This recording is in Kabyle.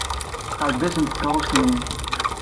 Teɛjeb-asent tkeṛṛust-nwent.